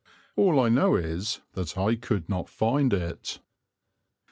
All I know is that I could not find it.